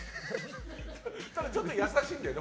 ただちょっと優しいんだよね。